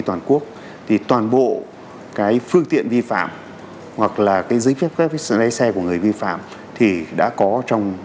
toàn quốc thì toàn bộ cái phương tiện vi phạm hoặc là cái giấy xe của người vi phạm thì đã có trong